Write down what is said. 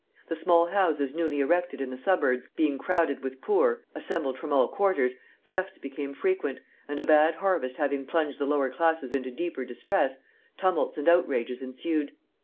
The small houses newly erected in the suburbs being crowded with poor, assembled from all quarters, thefts became frequent; and a bad harvest having plunged the lower classes into deeper distress, tumults and outrages ensued.